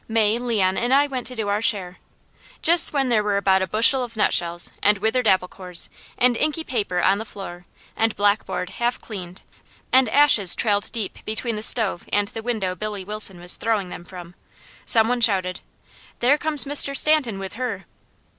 May, Leon, and I went to do our share. Just when there were about a bushel of nut shells, and withered apple cores, and inky paper on the floor, the blackboard half cleaned, and ashes trailed deep between the stove and the window Billy Wilson was throwing them from, some one shouted: "There comes Mr. Stanton with Her."